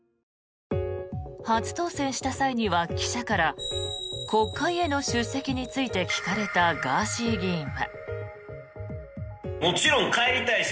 初当選した際には、記者から国会への出席について聞かれたガーシー議員は。